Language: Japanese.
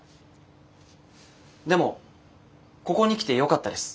でもここに来てよかったです。